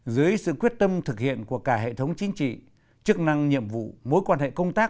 dưới sự quyết tâm thực hiện của cả hệ thống chính trị chức năng nhiệm vụ mối quan hệ công tác